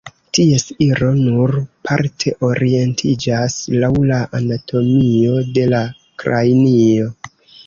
Ties iro nur parte orientiĝas laŭ la anatomio de la kranio.